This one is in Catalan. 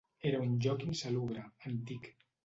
Era un lloc insalubre, antic.